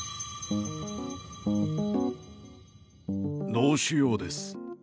脳腫瘍です。